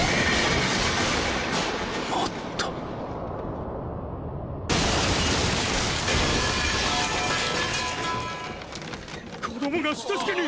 もっと子供が下敷きに！